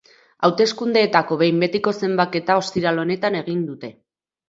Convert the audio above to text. Hauteskundeetako behin betiko zenbaketa ostiral honetan egin dute.